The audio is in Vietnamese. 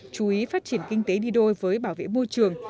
chú ý phát triển kinh tế đi đôi với bảo vệ môi trường